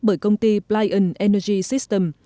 bởi công ty plyon energy systems